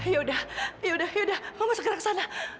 yaudah mama sekarang ke sana